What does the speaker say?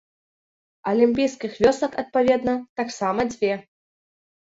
Алімпійскіх вёсак, адпаведна, таксама дзве.